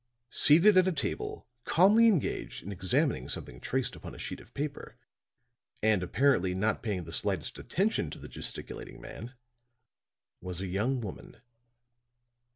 Seated at a table, calmly engaged in examining something traced upon a sheet of paper, and apparently not paying the slightest attention to the gesticulating man, was a young woman.